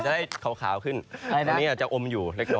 โดนจันอะไรล่ะผมไม่รู้เรื่อง